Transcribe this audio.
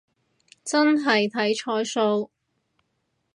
真係睇彩數